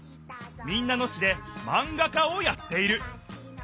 民奈野市でマンガ家をやっている。